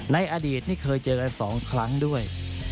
ในอดีตนี่เคยเจอกัน๒ครั้งด้วย